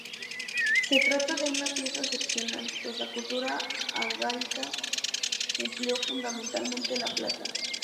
Se trata de una pieza excepcional, pues la cultura argárica empleó fundamentalmente la plata.